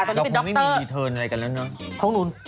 เราคงไม่มีรีเทิร์นอะไรกันแล้วเนอะ